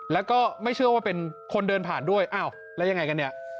แล้วก็ไม่เชื่อว่าเป็นคนเดินผ่านด้วยอ้าวแล้วยังไงกันเนี่ย